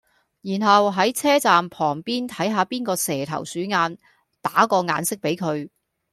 然後係車站旁邊睇下邊個蛇頭鼠眼，打個眼色比佢